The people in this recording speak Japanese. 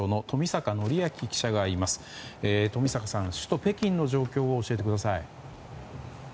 冨坂さん、首都・北京の状況を教えてください。